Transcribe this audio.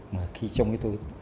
mà khi trong cái tôi